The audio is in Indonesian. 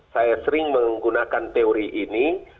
saya sering menggunakan teori ini